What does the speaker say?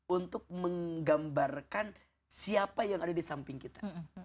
untuk menggambarkan siapa yang ada di samping kita